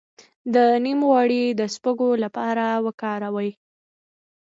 د نیم غوړي د سپږو لپاره وکاروئ